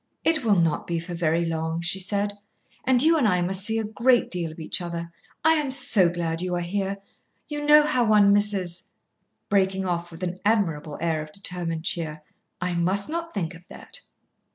"It will not be for very long," she said, "and you and I must see a great deal of each other. I am so glad you are here. You know how one misses " breaking off with an admirable air of determined cheer "I must not think of that."